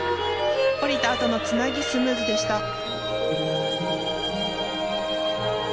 降りたあとのつなぎもスムーズでした。